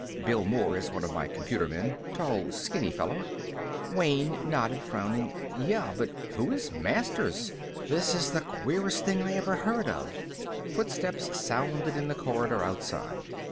Bill Moore is one of my computermen tall, skinny fellow." Wayne nodded, frowning. "Yeah, but who is Masters? This is the queerest thing I ever heard of." Footsteps sounded in the corridor outside.